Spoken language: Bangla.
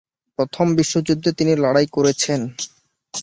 প্রথম বিশ্বযুদ্ধে তিনি লড়াই করেছেন।